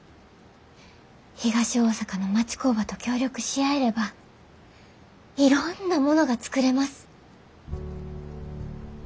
東大阪の町工場と協力し合えればいろんなものが作れます。